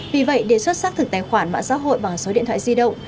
vì vậy đề xuất xác thực tài khoản mạng xã hội bằng số điện thoại di động